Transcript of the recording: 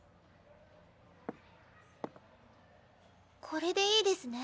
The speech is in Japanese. これでいいデスね？